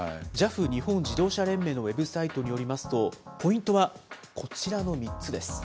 ＪＡＦ・日本自動車連盟のウェブサイトによりますと、ポイントはこちらの３つです。